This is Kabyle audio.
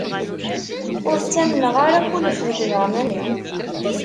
Ur ttamneɣ ara kullec deg ujernan-nni